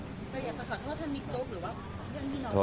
แต่อย่าต้องขอโทษท่านมิคโจ๊กหรือว่าเรื่องพี่น้อง